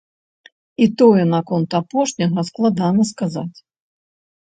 І тое наконт апошняга складана сказаць.